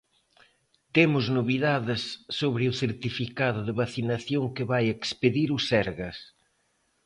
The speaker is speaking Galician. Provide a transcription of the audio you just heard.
Temos novidades sobre o certificado de vacinación que vai expedir o Sergas.